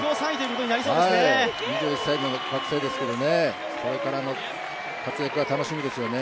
２１歳の学生ですけど、これからの活躍が楽しみですよね。